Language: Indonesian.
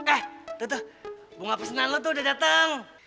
eh tuh bunga pesenan lo tuh udah datang